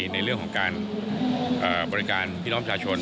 ในเรื่องของการบริการพี่น้องประชาชน